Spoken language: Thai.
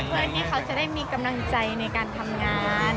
เพื่อที่เขาจะได้มีกำลังใจในการทำงาน